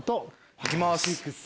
行きます。